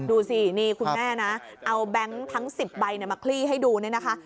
ดูสินี่คุณแม่นะเอาแบงค์ทั้ง๑๐ใบมาคลี่ให้ดูเนี่ยนะคะ